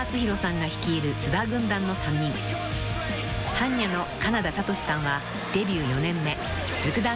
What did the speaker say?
［はんにゃ．の金田哲さんはデビュー４年目］